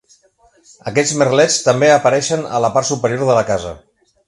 Aquests merlets també apareixen a la part superior de la casa.